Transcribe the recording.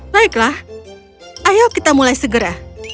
baiklah ayo kita mulai segera